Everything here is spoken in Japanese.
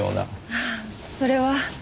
ああそれは。